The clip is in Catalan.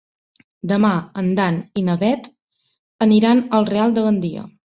Demà en Dan i na Bet aniran al Real de Gandia.